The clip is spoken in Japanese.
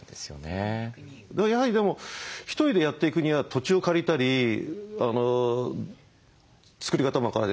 やはりでも１人でやっていくには土地を借りたり作り方も分からない。